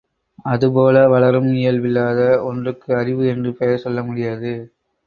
அதுபோல வளரும் இயல்பில்லாத ஒன்றுக்கு அறிவு என்று பெயர் சொல்ல முடியாது.